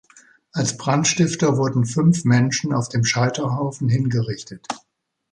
Als Brandstifter wurden fünf Menschen auf dem Scheiterhaufen hingerichtet.